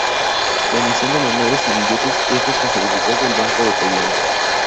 La emisión de monedas y billetes es responsabilidad del Banco de Tailandia.